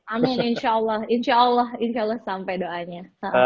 amin insya allah insya allah sampai doanya